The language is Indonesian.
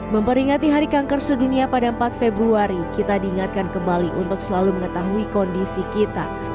memperingati hari kanker sedunia pada empat februari kita diingatkan kembali untuk selalu mengetahui kondisi kita